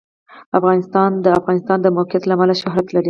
افغانستان د د افغانستان د موقعیت له امله شهرت لري.